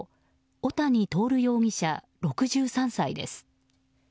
小谷徹容疑者、６３歳です。